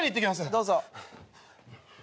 どうぞ。